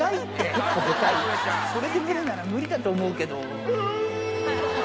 それで無理なら無理だと思ううー！